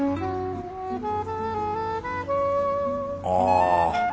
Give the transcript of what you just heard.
あぁ